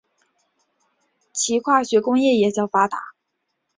其化学工业也较发达。